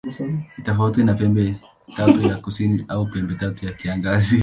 Ni tofauti na Pembetatu ya Kusini au Pembetatu ya Kiangazi.